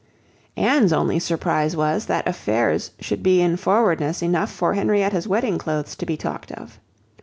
Anne's only surprise was, that affairs should be in forwardness enough for Henrietta's wedding clothes to be talked of.